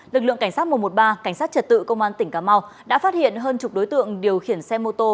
lực lượng cảnh sát một trăm một mươi ba cảnh sát trật tự công an tỉnh cà mau đã phát hiện hơn chục đối tượng điều khiển xe mô tô